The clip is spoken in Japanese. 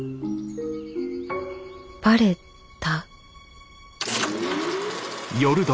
バレた？